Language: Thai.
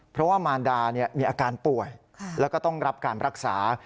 เพราะว่ามารดามีอาการป่วยแล้วก็ต้องรับการรักษา